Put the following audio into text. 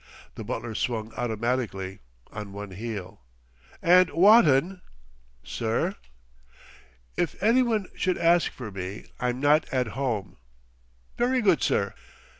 The butler swung automatically, on one heel. "And Wotton!" "Sir?" "If any one should ask for me, I'm not at home." "Very good, sir."